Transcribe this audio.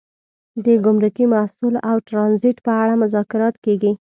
د ګمرکي محصول او ټرانزیټ په اړه مذاکرات کیږي